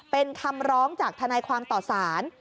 เป็นคำร้องจากทนายความต่อสาร